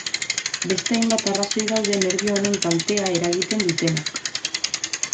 Beste hainbat arrazoi daude nerbio honen kaltea eragiten dutenak.